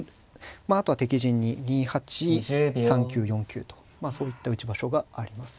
あとは敵陣に２八３九４九とまあそういった打ち場所があります。